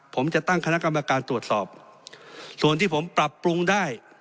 ผมจะตั้งคณะกรรมการตรวจสอบส่วนที่ผมปรับปรุงได้